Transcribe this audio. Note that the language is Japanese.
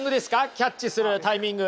キャッチするタイミング。